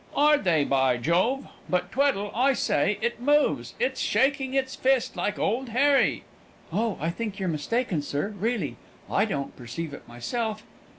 "Are they, by Jove? But, Tweddle, I say, it moves: it's shaking its fist like old Harry!" "Oh, I think you're mistaken, sir, really! I don't perceive it myself."